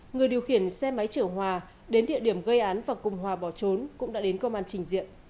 người điều khiển xe máy chở hòa đến địa điểm gây án và cùng hòa bỏ trốn cũng đã đến công an trình diện